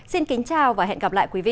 xin kính chào và hẹn gặp lại quý vị